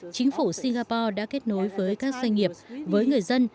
chính phủ singapore đã kết nối với các doanh nghiệp với người dân